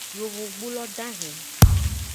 Yovogbulo dahen.